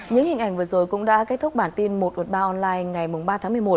những hình ảnh vừa rồi cũng đã kết thúc bản tin một trăm một mươi ba online ngày ba tháng một mươi một